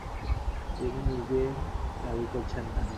তিনি নিজে দাবি করছেন না।